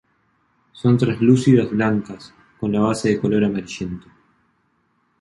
Son translúcidas blancas, con la base de color amarillento.